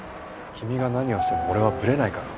君が何をしても俺はブレないから。